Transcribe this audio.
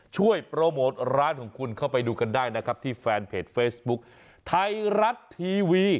ช่วยโปรโมทร้านของคุณเข้าไปดูกันได้นะครับที่แฟนเพจเฟซบุ๊คไทยรัฐทีวี